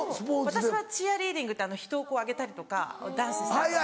私はチアリーディングって人をこう上げたりとかダンスしたりとか。